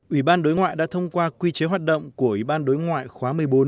ủy ban đối ngoại đã thông qua quy chế hoạt động của ủy ban đối ngoại khóa một mươi bốn